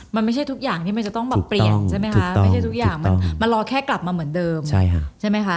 มันไม่ใช่ทุกอย่างที่มันจะต้องเปลี่ยนไม่ใช่ทุกอย่างมันรอแค่กลับมาเหมือนเดิม